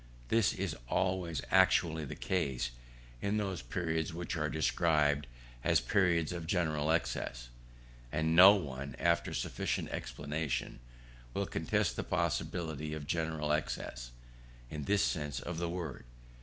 This is always actually the case, in those periods which are described as periods of general excess. And no one, after sufficient explanation, will contest the possibility of general excess, in this sense of the word.